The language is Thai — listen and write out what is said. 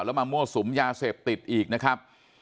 แล้วมามั่วสุมยาเสพติดอีกนะครับ